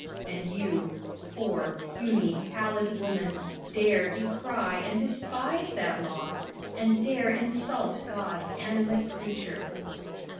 And you, poor, puny, pallid woman, dare decry and despise that law, and dare insult God's animate creature!